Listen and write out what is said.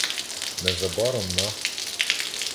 Незабаром на